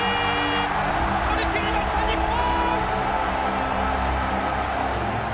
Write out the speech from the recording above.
取り切りました日本。